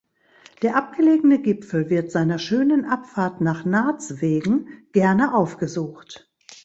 Der abgelegene Gipfel wird seiner schönen Abfahrt nach Naz wegen gerne aufgesucht.